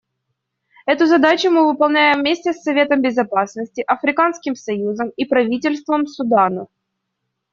Эту задачу мы выполняем вместе с Советом Безопасности, Африканским союзом и правительством Судана.